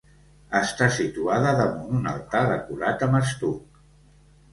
Està situada damunt un altar decorat amb estuc.